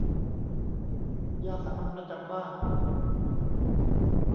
ยาสามัญประจำบ้าน